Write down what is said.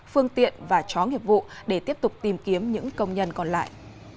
phương tiện và chó nghiệp vụ để tiếp tục tìm kiếm những công nhân còn lại